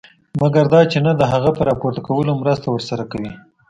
مګر دا چې ته د هغه په راپورته کولو مرسته ورسره کوې.